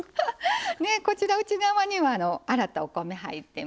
こちら内側には洗ったお米入ってます。